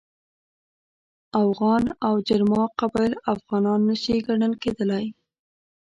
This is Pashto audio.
اوغان او جرما قبایل افغانان نه شي ګڼل کېدلای.